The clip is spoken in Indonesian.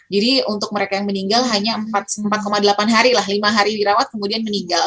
jadi untuk mereka yang meninggal hanya empat delapan hari lah lima hari dirawat kemudian meninggal